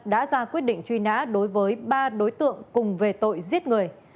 đã ra quyết định truy nã đối với ba đối tượng cùng về tội giết người